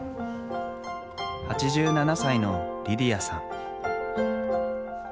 ８７歳のリディヤさん。